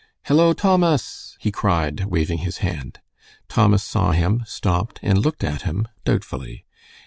"Hello, Thomas!" he cried, waving his hand. Thomas saw him, stopped, and looked at him, doubtfully.